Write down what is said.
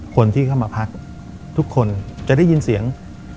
คนที่เข้ามาพักทุกคนจะได้ยินเสียง